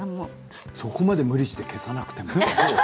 そこまで無理して消さなくても。